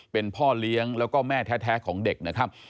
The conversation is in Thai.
เป็นพ่อเลี้ยงแล้วก็แม่แท้ของเด็กนะครับ